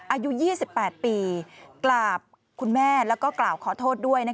อายุ๒๘ปีกราบคุณแม่แล้วก็กล่าวขอโทษด้วย